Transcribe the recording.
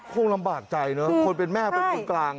คงลำบากใจเนอะคนเป็นแม่เป็นคนกลาง